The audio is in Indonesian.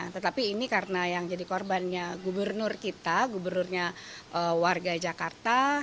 tetapi ini karena yang jadi korbannya gubernur kita gubernurnya warga jakarta